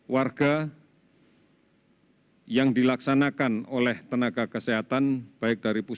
kami sudah melakukan pemeriksaan di sembilan april